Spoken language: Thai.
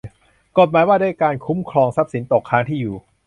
กฎหมายว่าด้วยการคุ้มครองทรัพย์สินตกค้างที่อยู่